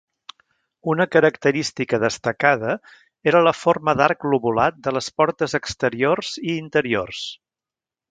Una característica destacada era la forma d'arc lobulat de les portes exteriors i interiors.